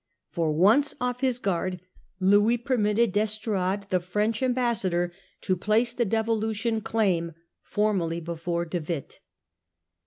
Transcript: For once off his design. guard, Louis permitted D'Estrades, the French ambassador, to place the devolution claim formally before De Witt.